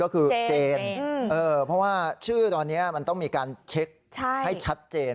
ก็คือเจนเพราะว่าชื่อตอนนี้มันต้องมีการเช็คให้ชัดเจน